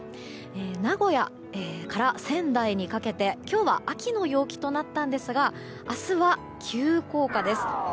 名古屋から仙台にかけて今日は秋の陽気となったんですが明日は急降下です。